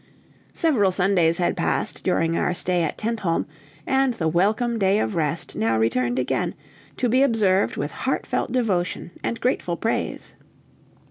Several Sundays had passed during our stay at Tentholm, and the welcome Day of Rest now returned again, to be observed with heartfelt devotion and grateful praise.